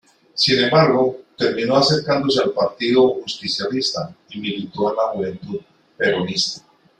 Sin embargo, terminó acercándose al partido Justicialista, y militó en la Juventud Peronista.